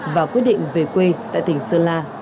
và quyết định về quê tại tỉnh sơn la